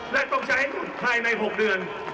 และต้องใช้ภายใน๖เดือน